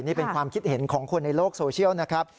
นี่เป็นความคิดเห็นของคนในโลกโซเชียลนะครับ